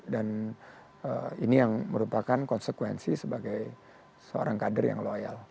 dan ini yang merupakan konsekuensi sebagai seorang kader yang loyal